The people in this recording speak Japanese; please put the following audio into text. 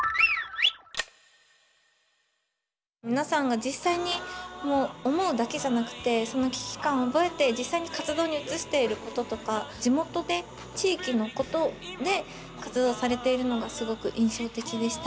皆さんが実際に思うだけじゃなくてその危機感を覚えて実際に活動に移していることとか地元で地域のことで活動されているのがすごく印象的でした。